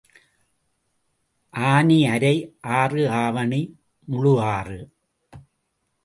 ஆனி அரை ஆறு ஆவணி முழு ஆறு.